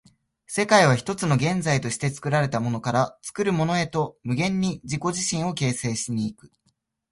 世界は一つの現在として、作られたものから作るものへと無限に自己自身を形成し行く。